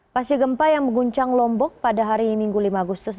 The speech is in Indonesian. pasca gempa yang mengguncang lombok pada hari minggu lima agustus dua ribu delapan belas